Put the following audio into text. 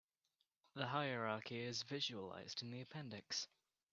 The hierarchy is visualized in the appendix.